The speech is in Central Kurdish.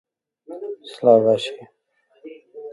ئایا هیچ کێشەیەکتان هەبووە لە گەیشتن بە ئێرە؟